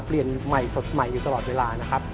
เปลี่ยนใหม่สดใหม่อยู่ตลอดเวลานะครับ